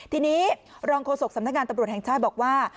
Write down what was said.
ทีนี้รองโฆษกสำนักงานตำรวจแห่งชาติบอกว่า